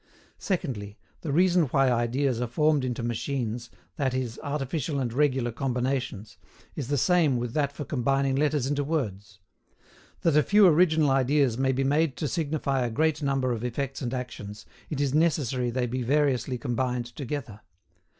Secondly, the reason why ideas are formed into machines, that is, artificial and regular combinations, is the same with that for combining letters into words. That a few original ideas may be made to signify a great number of effects and actions, it is necessary they be variously combined together.